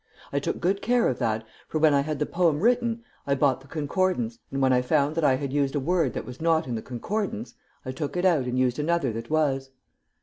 I took good care of that, for when I had the poem written, I bought the concordance, and when I found that I had used a word that was not in the concordance, I took it out and used another that was."